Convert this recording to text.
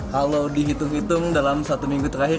kalau dihitung hitung dalam satu minggu terakhir